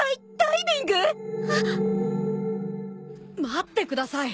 待ってください！